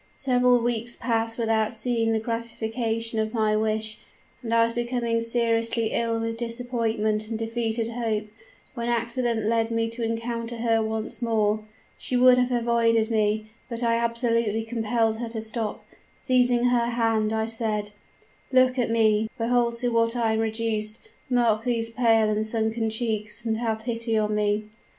Several weeks passed without seeing the gratification of my wish; and I was becoming seriously ill with disappointment and defeated hope, when accident led me to encounter her once more. She would have avoided me, but I absolutely compelled her to stop. Seizing her hand, I said, "'Look at me behold to what I am reduced mark these pale and sunken cheeks, and have pity on me!'